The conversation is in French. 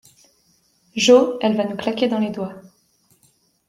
Jo, elle va nous claquer dans les doigts.